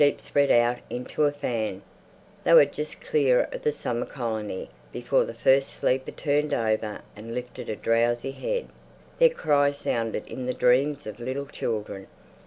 The sheep spread out into a fan. They were just clear of the summer colony before the first sleeper turned over and lifted a drowsy head; their cry sounded in the dreams of little children...